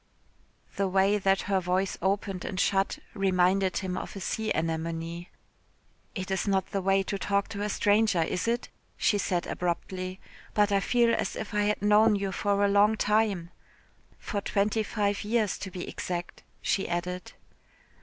The way that her voice opened and shut reminded him of a sea anemone. "It is not the way to talk to a stranger, is it?" she said abruptly, "but I feel as if I had known you for a long time. For twenty five years, to be exact," she added.